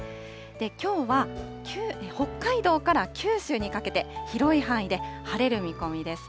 きょうは北海道から九州にかけて、広い範囲で晴れる見込みです。